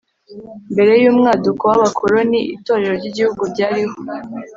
mbere y’umwaduko w’abakoloni itorero ry’igihugu ryari ho